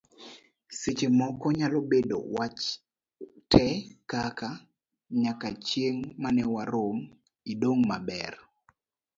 seche moko nyalo bedo wach te, kaka; nyaka chieng' mane warom, idong' maber